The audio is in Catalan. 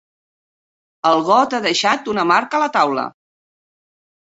El got ha deixat una marca a la taula.